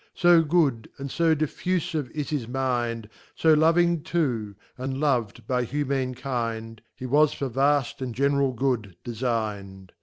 So good and fo diffufive is his Mind, So loving td, and lov'd by Humane kind, He was for vail and general good defign'd.